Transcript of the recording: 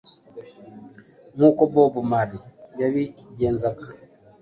nk’uko Bob Marley yabigenzaga.